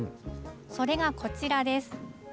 それがこちらです。